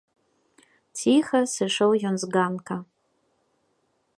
Ціха сышоў ён з ганка.